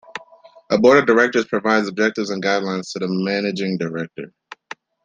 A Board of Directors provides objectives and guidelines to the Managing Director.